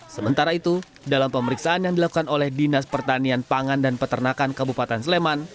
sementara itu dalam pemeriksaan yang dilakukan oleh dinas pertanian pangan dan peternakan kabupaten sleman